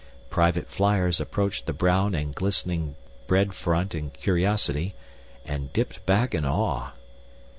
Private fliers approached the brown and glistening bread front in curiosity and dipped back in awe.